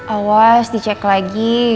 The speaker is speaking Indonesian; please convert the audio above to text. awas di cek lagi